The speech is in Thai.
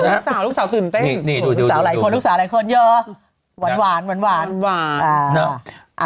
ลูกสาวตื่นเต้ลูกสาวหลายคนเยอะ